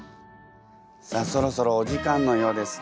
さあそろそろお時間のようです。